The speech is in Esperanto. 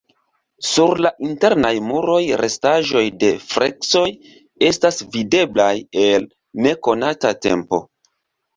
Sur la internaj muroj restaĵoj de freskoj estas videblaj el nekonata tempo.